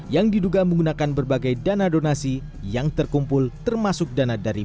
yang diduga menggunakan berbagai dana donasi yang terkumpul termasuk dana dari